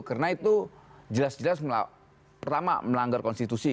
karena itu jelas jelas pertama melanggar konstitusi